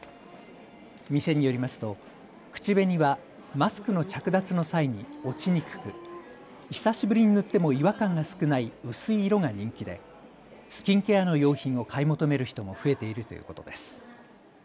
店によりますと口紅はマスクの着脱の際に落ちにくく久しぶりに塗っても違和感が少ない薄い色が人気でスキンケアの用品を買い求める人も増えているということです。